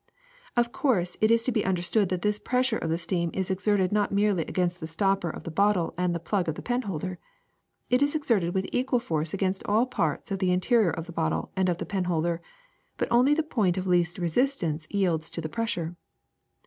*^0f course it is to be understood that this pressure of the steam is exerted not merely against the stop per of the bottle and the plug of the penholder; it is exerted with equal force against all parts of the in terior of the bottle and of the penholder, but only the point of least resistance yields to the pressure.